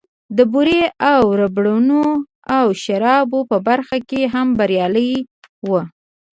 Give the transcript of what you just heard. د بورې او ربړونو او شرابو په برخه کې هم بريالی و.